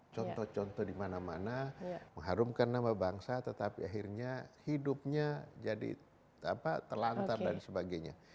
contoh contoh di mana mana mengharumkan nama bangsa tetapi akhirnya hidupnya jadi telantar dan sebagainya